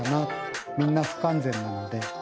みんな不完全なので。